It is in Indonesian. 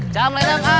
jam ledang a